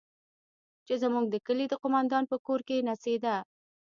چې زموږ د کلي د قومندان په کور کښې نڅېده.